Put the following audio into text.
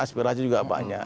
aspirasi juga banyak